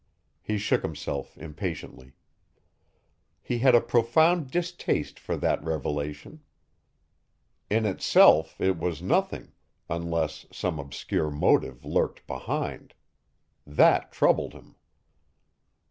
He shook himself impatiently. He had a profound distaste for that revelation. In itself it was nothing, unless some obscure motive lurked behind. That troubled him.